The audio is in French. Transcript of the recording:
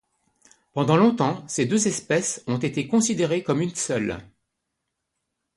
Pendant longtemps, ces deux espèces ont été considérées comme une seule.